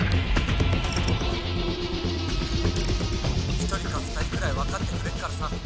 １人か２人くらい分かってくれっからさ。